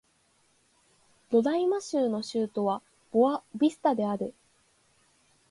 ロライマ州の州都はボア・ヴィスタである